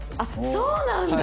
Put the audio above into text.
そうなんだ！